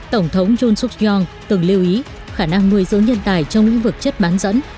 tổng thống jun suk yong từng lưu ý khả năng nuôi dưỡng nhân tài trong lĩnh vực chất bán dẫn